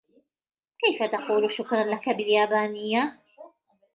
كيف تقول " شكراً لك " باليابانية ؟